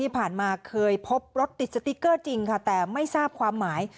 เคยพบรถติดสติ๊กเกอร์จริงค่ะแต่ไม่ทราบความหมาย